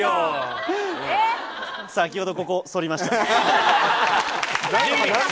先ほど、ここ、そりました。